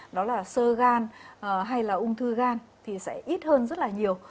đó là sơ gan hay là ung thư gan thì sẽ ít hơn rất là nhiều